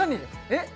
えっ？